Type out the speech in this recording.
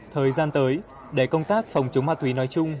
thời gian tới để công tác phòng chống ma túy nói chung